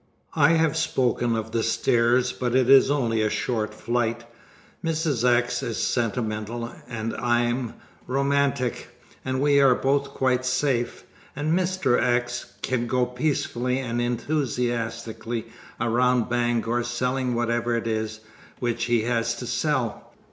I have spoken of the stairs, but it is only a short flight. Mrs. X is sentimental and I am romantic. And we are both quite safe, and Mr. X can go peacefully and enthusiastically around Bangor selling whatever it is which he has to sell.